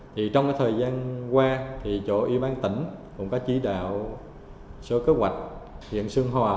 thì trong thời gian qua thì chỗ y bán tỉnh cũng có chỉ đạo sở kế hoạch hiện xương hòa